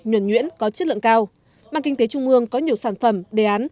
nhuẩn nhuyễn có chất lượng cao ban kinh tế trung ương có nhiều sản phẩm đề án